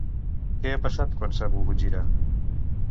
Què ha passat quan s'ha volgut girar?